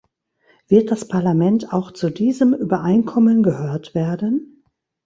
Wird das Parlament auch zu diesem Übereinkommen gehört werden?